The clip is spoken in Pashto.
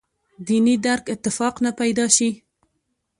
دیني درک اتفاق نه پیدا شي.